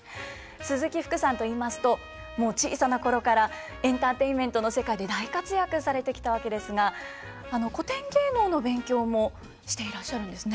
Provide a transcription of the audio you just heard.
鈴木福さんといいますともう小さな頃からエンターテインメントの世界で大活躍されてきたわけですが古典芸能の勉強もしていらっしゃるんですね。